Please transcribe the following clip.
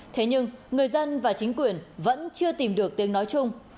thế nhưng người dân và chính quyền vẫn chưa tìm được tiếng nói chung